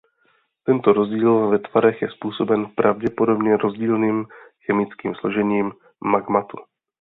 Tento rozdíl ve tvarech je způsoben pravděpodobně rozdílným chemickým složením magmatu.